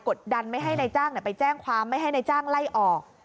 ดดันไม่ให้นายจ้างไปแจ้งความไม่ให้นายจ้างไล่ออก